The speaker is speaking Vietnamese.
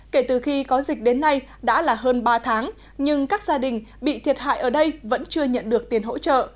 kể từ khi có dịch đến nay đã là hơn ba tháng nhưng các gia đình bị thiệt hại ở đây vẫn chưa nhận được tiền hỗ trợ